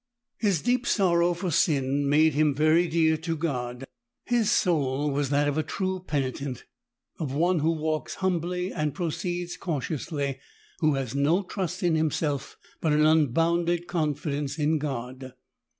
His deep sorrow for sin made him very dear to God. His soul was that of a true penitent, of one who walks humbly and proceeds cautiously, who has no trust in himself but an unbounded confidence in God.